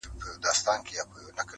ږغ به وچ سي په کوګل کي د زاغانو-